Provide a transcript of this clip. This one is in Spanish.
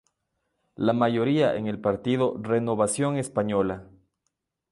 La mayoría en el partido Renovación Española.